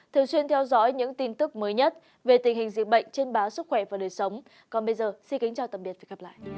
thường xuyên theo dõi những tin tức mới nhất về tình hình dịch bệnh trên báo sức khỏe và đời sống